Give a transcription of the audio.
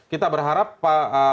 kita berharap pak